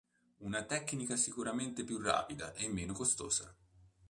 Una tecnica sicuramente più rapida e meno costosa.